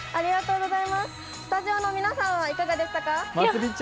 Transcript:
スタジオの皆さんはいかがでしたか？